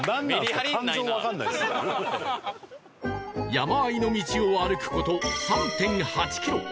山あいの道を歩く事 ３．８ キロ